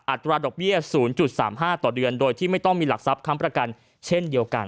ตราดอกเบี้ย๐๓๕ต่อเดือนโดยที่ไม่ต้องมีหลักทรัพย์ค้ำประกันเช่นเดียวกัน